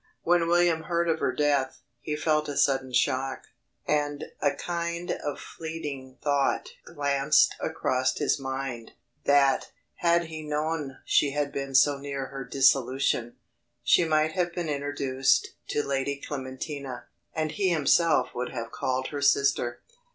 When William heard of her death, he felt a sudden shock, and a kind of fleeting thought glanced across his mind, that "Had he known she had been so near her dissolution, she might have been introduced to Lady Clementina, and he himself would have called her sister."